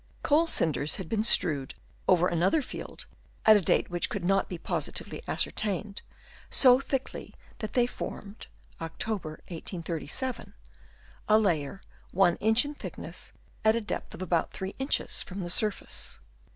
Coal cinders had been strewed over another field, at a date which could not be positively ascertained, so thickly that they formed (October, 1837) a layer, 1 inch in thickness at a depth of about 3 inches from the surface.